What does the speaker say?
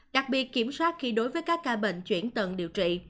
đặc biệt kiểm soát khi đối với các ca bệnh chuyển tận điều trị